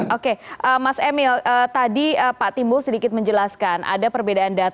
oke mas emil tadi pak timbul sedikit menjelaskan ada perbedaan data